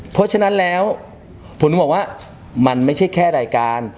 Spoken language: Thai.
เพราะฉะนั้นแล้วผมถึงบอกว่ามันไม่ใช่แค่รายการ